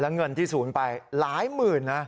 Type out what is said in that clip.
แล้วเงินที่สูญไปหลายหมื่นนะ